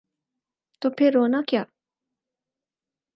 تو پھر رونا کیا؟